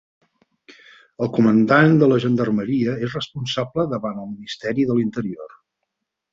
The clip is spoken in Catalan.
El comandant de la Gendarmeria és responsable davant el Ministeri de l'Interior.